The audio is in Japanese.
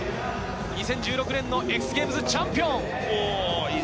２０１６年のＸＧａｍｅｓチャンピオン。